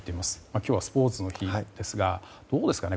今日はスポーツの日ですがどうですかね